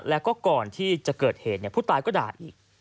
แล้วก็ก่อนที่จะเกิดเหตุผู้ตายก็ด่าอีก